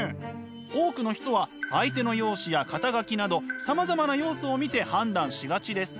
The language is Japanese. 多くの人は相手の容姿や肩書などさまざまな要素を見て判断しがちです。